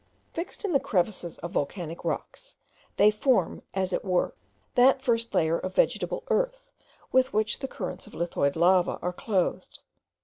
Fixed in the crevices of volcanic rocks, they form, as it were, that first layer of vegetable earth with which the currents of lithoid lava are clothed.